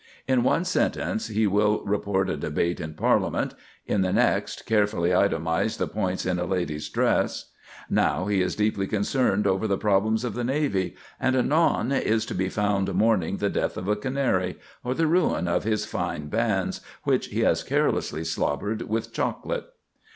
In one sentence he will report a debate in Parliament—in the next, carefully itemize the points in a lady's dress; now he is deeply concerned over the problems of the navy, and anon is to be found mourning the death of a canary, or the ruin of his fine bands, which he has carelessly slobbered with chocolate.